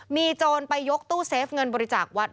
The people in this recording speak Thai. มีโจรไปยกตู้เซฟเงินบริจาควัด